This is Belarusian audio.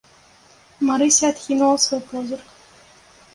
Марыся адхінула свой позірк.